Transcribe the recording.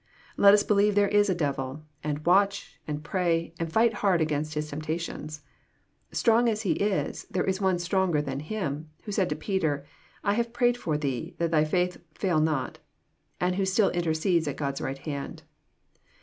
Let us believe there is a devil, and watch, and pray, and fight hard against his temptations. Strong as he is, there is One stronger than him, who said to Peter, " I have prayed for thee, that thy faith fail not,'' and who still intercedes at God's right hand.